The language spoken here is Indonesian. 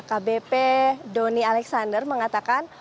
pak aga b p doni alexander mengatakan